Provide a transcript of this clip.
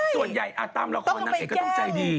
ส่วนใหญ่ตามละครนางเอกก็ต้องใจดี